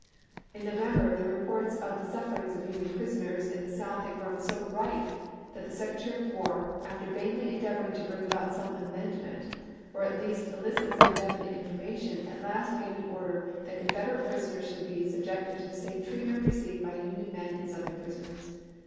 In November the reports of the sufferings of Union prisoners in the South had grown so rife that the Secretary of War, after vainly endeavoring to bring about some amend ment, or at least elicit some definite information, at last gave an order that Confederate prisoners PRISONEKS OF WAE 459 should be subjected to the same treatment received chap.xvi. by Union men in Southern prisons.